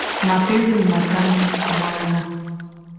Mapenzi ni tamu mwana.